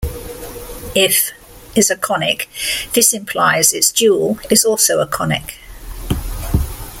If is a conic this implies its dual is also a conic.